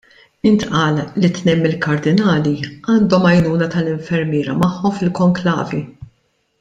Intqal li tnejn mill-kardinali għandhom għajnuna tal-infermiera magħhom fil-konklavi.